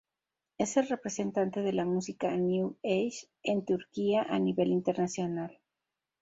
Es el representante de la música New Age en Turquía a nivel internacional.